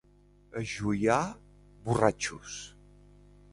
A Juià, borratxos.